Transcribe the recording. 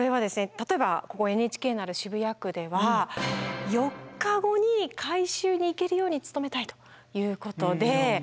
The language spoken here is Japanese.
例えばここＮＨＫのある渋谷区では４日後に回収に行けるように努めたいということで。